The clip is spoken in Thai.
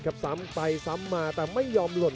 กันต่อแพทย์จินดอร์